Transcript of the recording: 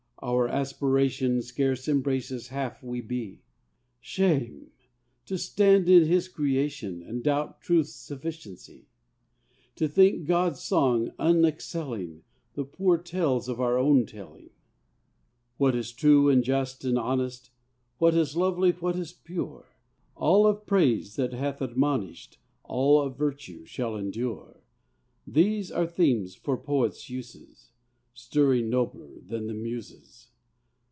Our aspiration Scarce embraces half we be. Shame ! to stand in His creation And doubt Truth's sufficiency! To think God's song unexcelling The poor tales of our own telling. What is true and just and honest, What is lovely, what is pure, — All of praise that hath admonish'd, All of virtue, shall endure, — These are themes for poets' uses, Stirring nobler than the Muses.